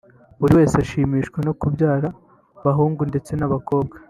buri wese ashimishwa no kubyara bahungu ndetse n'abakobwa